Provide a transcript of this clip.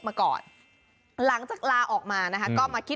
ส่วนเมนูที่ว่าคืออะไรติดตามในช่วงตลอดกิน